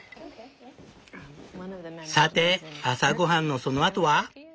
さて朝ごはんのそのあとは？